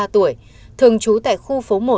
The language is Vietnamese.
ba mươi tuổi thường trú tại khu phố một